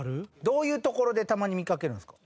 どういう所でたまに見かけるんですか？